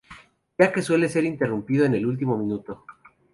Ya que suele ser interrumpido en el último minuto.